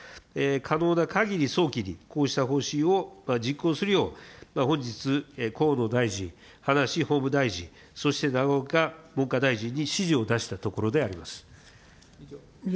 可能なかぎり早期にこうした方針を実行するよう、本日、河野大臣、林法務大臣、そして永岡文科大臣に指示を出したところであります。